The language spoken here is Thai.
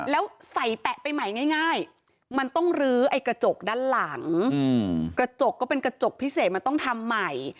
แล้วใส่แปะไปใหม่ง่ายมันต้องลื้อไอ้กระจกด้านหลังกระจกก็เป็นกระจกพิเศษมันต้องทำใหม่